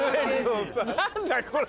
何だこれ。